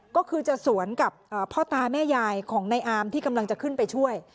ก็คือจะสวนกับพ่อตาแม่ยายของในอามที่กำลังจะขึ้นไปช่วย